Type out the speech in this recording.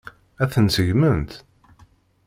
Ad ten-seggment?